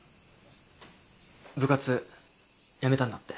部活やめたんだって？